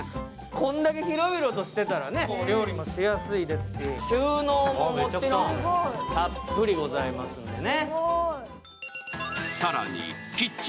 こんだけ広々としていたら料理もしやすいですし、収納ももちろん、たっぷりございますですね。